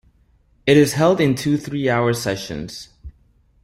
It is held in two three-hour sessions.